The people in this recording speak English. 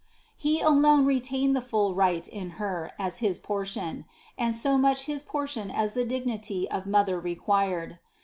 He alone retained the full right in Her as his portion, and so much his portion as the dignity of Mother required.